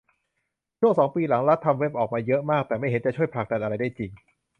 ช่วงสองปีหลัง รัฐทำเว็บออกมาเยอะมาก แต่ไม่เห็นมันจะช่วยผลักดันอะไรได้จริง